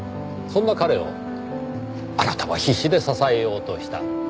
そんな彼をあなたは必死で支えようとした。